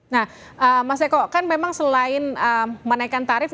nah mas eko kan memang selain menaikkan tarif